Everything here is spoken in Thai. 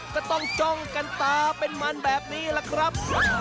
ก็ต้องจ้องกันตาเป็นมันแบบนี้ล่ะครับ